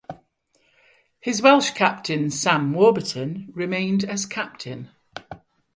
His Welsh captain Sam Warburton remained as captain.